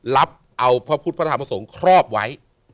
รับเอาพระพุทธพระธรรมสงฆ์ครอบไว้